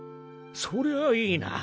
そりゃいいな。